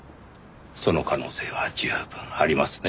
その可能性は十分ありますね。